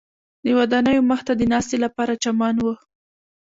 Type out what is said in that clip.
د ودانیو مخ ته د ناستې لپاره چمن و.